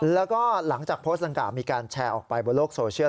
แล้วก็หลังจากโพสต์ดังกล่าวมีการแชร์ออกไปบนโลกโซเชียล